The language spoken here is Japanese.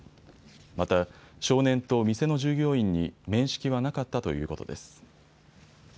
また、少年と店の従業員に面識はなかったということです。